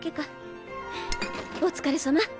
お疲れさま。